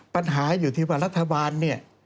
ปัญหาอยู่ที่ว่ารัฐบาลเนี่ย